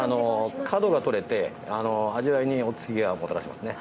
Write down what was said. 角が取れて味わいに落ち着きをもたらしますね。